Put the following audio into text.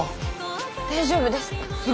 大丈夫です。